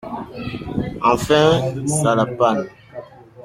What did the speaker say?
Enfin, ça la panne !…